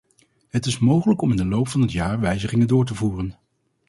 Het is mogelijk om in de loop van het jaar wijzigingen door te voeren.